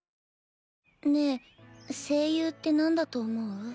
ねえ声優ってなんだと思う？